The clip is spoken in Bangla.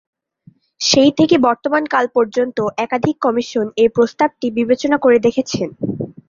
সেই থেকে বর্তমান কাল পর্যন্ত একাধিক কমিশন এই প্রস্তাবটি বিবেচনা করে দেখেছেন।